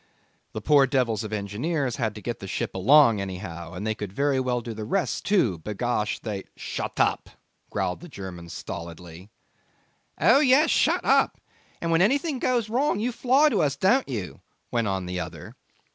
The poor devils of engineers had to get the ship along anyhow, and they could very well do the rest too; by gosh they 'Shut up!' growled the German stolidly. 'Oh yes! Shut up and when anything goes wrong you fly to us, don't you?' went on the other.